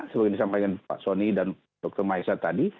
seperti yang disampaikan pak soni dan dr maesa tadi